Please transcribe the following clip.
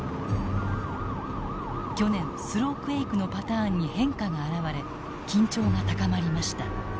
去年スロークエイクのパターンに変化が現れ緊張が高まりました。